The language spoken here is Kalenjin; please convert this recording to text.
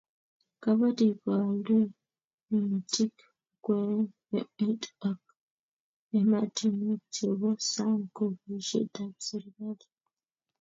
Kabatik ko aldoi minutik kwaieng' emet ak ematinwek che bo sang ko boishetab serikalit